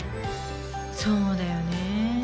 そうだよね。